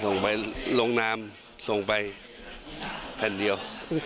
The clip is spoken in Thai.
ส่งไปลงนามส่งไปแผ่นเดียว